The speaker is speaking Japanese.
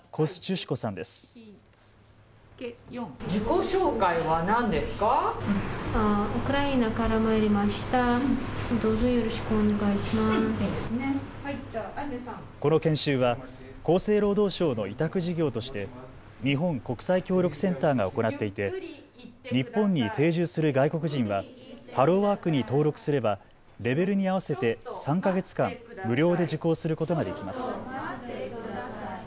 この研修は厚生労働省の委託事業として日本国際協力センターが行っていて日本に定住する外国人はハローワークに登録すればレベルに合わせて３か月間、無料で受講することができます。